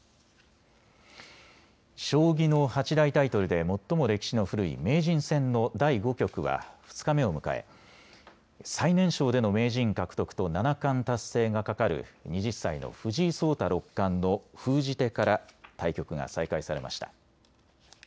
将棋の八大タイトルで最も歴史の古い名人戦の第５局は２日目を迎え最年少での名人獲得と七冠達成がかかる２０歳の藤井聡太六冠の封じ手から対局が再開されました。